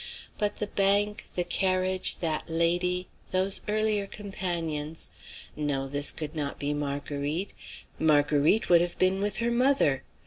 But the bank; the carriage; that lady; those earlier companions, no, this could not be Marguerite. Marguerite would have been with her mother.